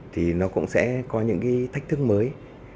thì nó cũng sẽ có những cái thách thức mới